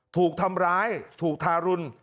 ถูกทำร้ายถูกทารุณ